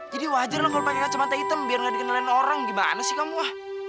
jadi wajar lah kalau pakai kacamata hitam biar gak dikenalin orang gimana sih kamu ah